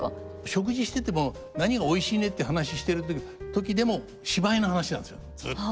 食事してても「何がおいしいね」って話してる時でも芝居の話なんですよずっと。